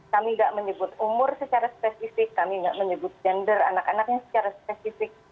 kami tidak menyebut umur secara spesifik kami tidak menyebut gender anak anaknya secara spesifik